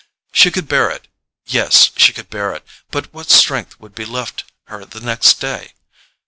She could bear it—yes, she could bear it; but what strength would be left her the next day?